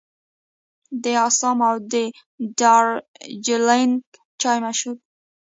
د اسام او دارجلینګ چای مشهور دی.